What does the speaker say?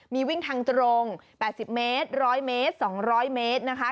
มีวิ่งทางตรง๘๐เมตร๑๐๐เมตร๒๐๐เมตรนะคะ